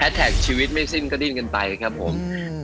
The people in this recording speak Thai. แท็กชีวิตไม่สิ้นก็ดิ้นกันไปครับผม